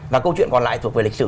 và câu chuyện còn lại thuộc về lịch sử